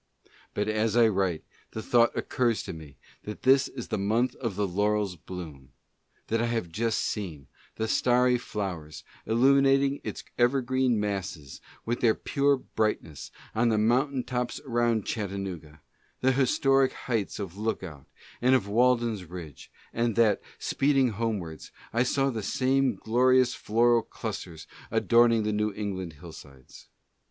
But as I write, the thought occurs to me that this is the month of the Laurel's bloom; that I have just seen the starry flowers illuminating its evergreen masses with their pure brightness on the mountain top* about Chattanooga — the historic heights of Lookout, and of Walden's Ridge — and that, speeding homewards, I saw the same glorious floral clusters adorning the New England hillsides.